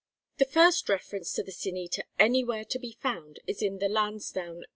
The first reference to the Sin eater anywhere to be found is in the Lansdowne MSS.